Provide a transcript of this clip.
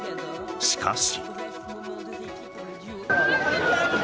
しかし。